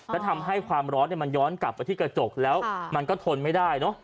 และทำให้ความร้อนมันย้อนกลับไปที่กระจกแล้วมันก็ทนไม่ได้เนอะ